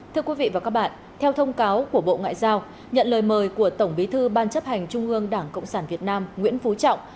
thưa quý vị và các bạn theo thông cáo của bộ ngoại giao nhận lời mời của tổng bí thư ban chấp hành trung ương đảng cộng sản việt nam nguyễn phú trọng